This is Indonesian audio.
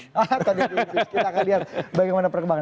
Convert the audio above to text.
atau dia diimpeach kita akan lihat bagaimana perkembangan